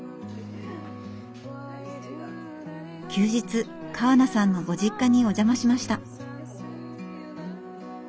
休日川名さんのご実家にお邪魔しました。